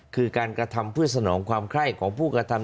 คือการกระทำเพื่อสนองความไข้ของผู้กระทำ